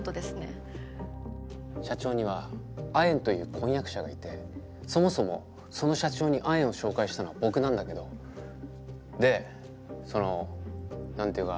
社長にはアエンという婚約者がいてそもそもその社長にアエンを紹介したのは僕なんだけどでその何て言うか。